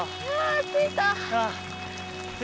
着いた。